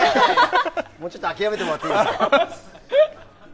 もう、ちょっと諦めてもらっていいですか。